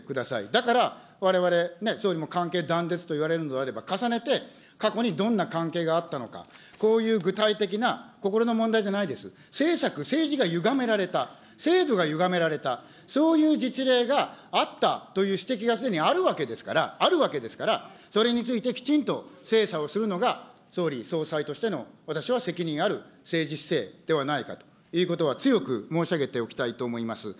だから、われわれ、ねえ、総理も関係断絶といわれるのであれば、重ねて過去にどんな関係があったのか、こういう具体的な心の問題じゃないです、政策、政治がゆがめられた、制度がゆがめられた、そういう実例があったという指摘がすでにあるわけですから、あるわけですから、それについてきちんと精査をするのが、総理総裁としての私は責任ある政治姿勢ではないかということは、強く申し上げておきたいと思います。